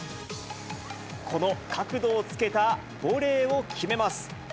この角度をつけたボレーを決めます。